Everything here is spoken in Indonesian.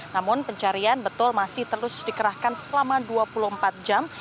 namun pencarian betul masih terus dikerahkan selama dua puluh empat jam